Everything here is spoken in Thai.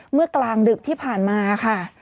เมื่อกลางดึกที่ผ่านมาค่ะ